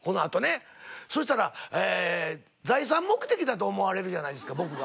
そしたら財産目的だと思われるじゃないですか僕が。